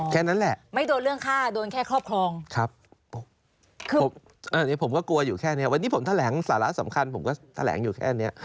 ผมก็กลัวอยู่แค่นี้วันนี้ผมแถลงสาระสำคัญผมก็แถลงอยู่แค่นี้